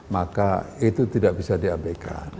maka itu tidak bisa diabaikan